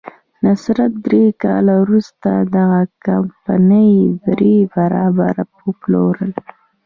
نصر درې کاله وروسته دغه کمپنۍ درې برابره وپلورله.